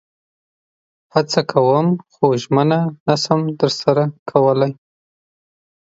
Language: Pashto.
هڅه کوم خو ژمنه نشم درسره کولئ